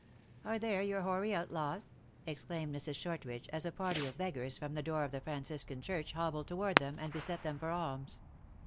" Are there your hoary outlaws ?" exclaimed Mrs. Shortridge, as a party of beggars from the door of the Franciscan church hobbled toward them, and beset them for alms.